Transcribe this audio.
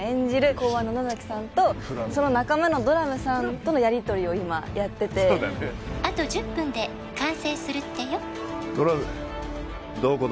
公安の野崎さんとその仲間のドラムさんとのやりとりを今やってて「あと１０分で完成するってよ」ドラムどこだ？